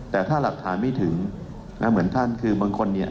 แต่ถ้าหลักฐานไม่ถึงนะเหมือนท่านคือบางคนเนี่ย